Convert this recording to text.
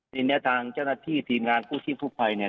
ทีนี้ทางเจ้าหน้าที่ทีมงานกู้ชีพผู้ภัยเนี่ย